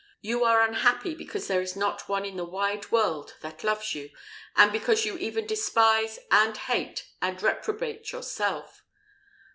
You are unhappy because there is not one in the wide world that loves you, and because you even despise, and hate, and reprobate yourself."